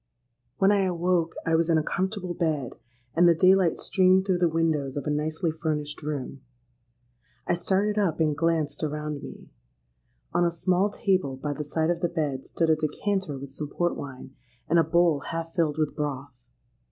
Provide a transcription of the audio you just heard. "When I awoke, I was in a comfortable bed; and the day light streamed through the windows of a nicely furnished room. I started up, and glanced around me. On a small table by the side of the bed stood a decanter with some port wine, and a bowl half filled with broth.